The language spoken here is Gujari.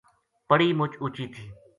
پڑی مُچ اُچی تھی